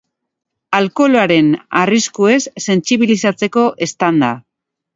Alkoholaren arriskuez sentsibilizatzeko stand-a.